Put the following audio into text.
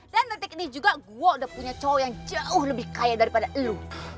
dan detik ini juga gue udah punya cowok yang jauh lebih kaya daripada lo